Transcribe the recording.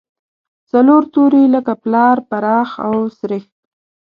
څلور توري لکه پلار، پراخ او سرېښ.